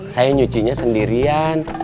saya nyucinya sendirian